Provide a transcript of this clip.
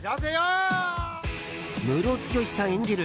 ムロツヨシさん演じる